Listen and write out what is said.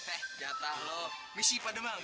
eh jatah lo misi pada emang